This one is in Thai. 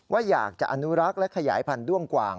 ว่าอยากจะอนุรักษ์และขยายพันธุด้วงกวาง